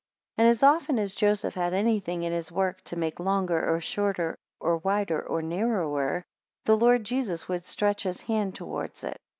2 And as often as Joseph had anything in his work, to make longer, or shorter, or wider, or narrower, the Lord Jesus would stretch his hand towards it.